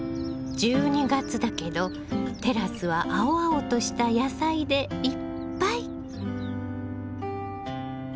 １２月だけどテラスは青々とした野菜でいっぱい。